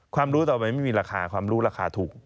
รู้ต่อไปไม่มีราคาความรู้ราคาถูก